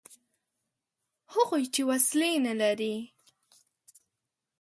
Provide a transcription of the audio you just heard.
هغوی چې وسلې نه لري.